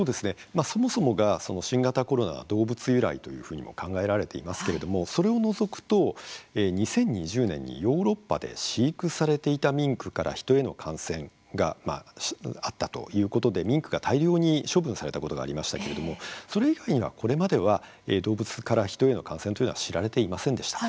そもそもが新型コロナは動物由来というふうにも考えられていますけれどもそれを除くと２０２０年にヨーロッパで飼育されていたミンクから人への感染があったということでミンクが大量に処分されたことがありましたけれどもそれ以外には、これまでは動物から人への感染というのは知られていませんでした。